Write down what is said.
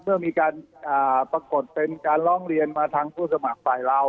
ก็จะมีการปรากฏเป็นการลองเรียนมาทั้งผู้สมัครไปร้าว